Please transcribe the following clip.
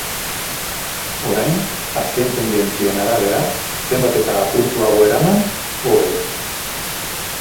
Orain, azken tendentzien arabera, zenbat eta apurtuago eraman, hobe.